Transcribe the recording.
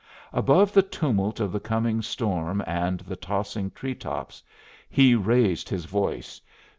Above the tumult of the coming storm and the tossing tree tops, he raised his voice.